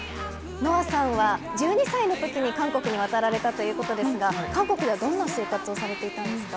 ＮＯＡさんは１２歳のときに韓国には渡られたということですが韓国ではどんな生活をされてましたか。